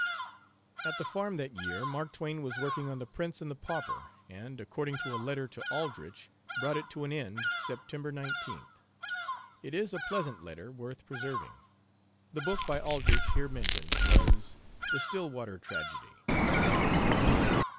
At the Farm that year Mark Twain was working on The Prince and the Pauper, and, according to a letter to Aldrich, brought it to an end September 19th. It is a pleasant letter, worth preserving. The book by Aldrich here mentioned was 'The Stillwater Tragedy.'